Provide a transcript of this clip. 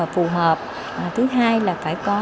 phù hợp thứ hai là phải có